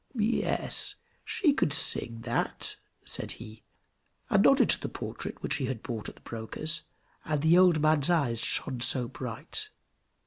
"Yes, she could sing that!" said he, and nodded to the portrait, which he had bought at the broker's, and the old man's eyes shone so bright!